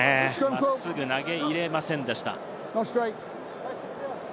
真っすぐ投げ入れませんでした。